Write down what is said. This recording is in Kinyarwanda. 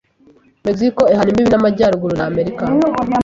Mexico ihana imbibi n’amajyaruguru na Amerika.